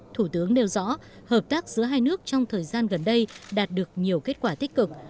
thủ tướng nêu rõ hợp tác giữa hai nước trong thời gian gần đây đạt được nhiều kết quả tích cực